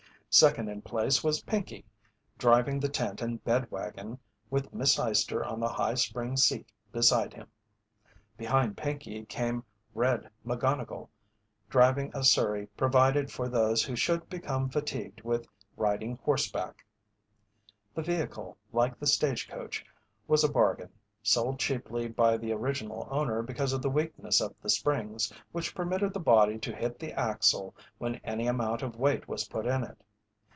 Second in place was Pinkey, driving the tent and bed wagon, with Miss Eyester on the high spring seat beside him. Behind Pinkey came "Red" McGonnigle, driving a surrey provided for those who should become fatigued with riding horseback. The vehicle, like the stage coach, was a bargain, sold cheaply by the original owner because of the weakness of the springs, which permitted the body to hit the axle when any amount of weight was put in it.